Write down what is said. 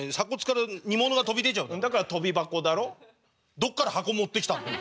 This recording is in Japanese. どっから箱持ってきたんだよ？